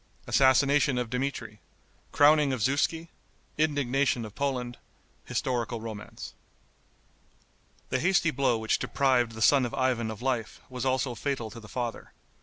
Assassination of Dmitri. Crowning of Zuski. Indignation of Poland. Historical Romance. The hasty blow which deprived the son of Ivan of life was also fatal to the father.